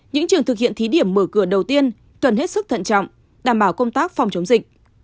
những trường thực hiện thí điểm mở cửa đầu tiên cần hết sức thận trọng đảm bảo công tác phòng chống dịch